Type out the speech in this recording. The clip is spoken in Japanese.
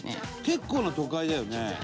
「結構な都会だよね」